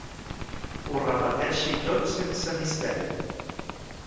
Ho repeteixi tot sense misteri.